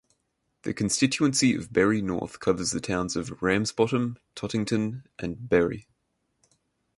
The constituency of Bury North covers the towns of Ramsbottom, Tottington and Bury.